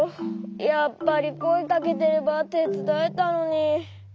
やっぱりこえかけてればてつだえたのに。